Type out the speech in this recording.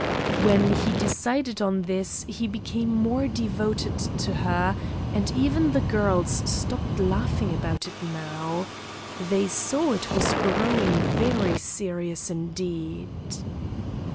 When he decided on this he became more devoted to her, and even the girls stopped laughing about it now. They saw it was growing very serious indeed.